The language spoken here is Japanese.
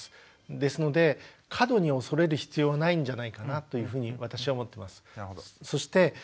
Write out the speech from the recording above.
ですので過度に恐れる必要はないんじゃないかなというふうに私は思ってます。